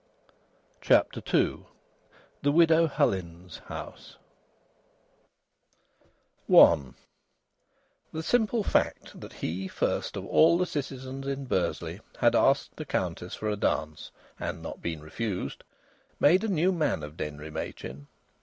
CHAPTER II THE WIDOW HULLINS'S HOUSE I The simple fact that he first, of all the citizens of Bursley, had asked a countess for a dance (and not been refused) made a new man of Denry Machin.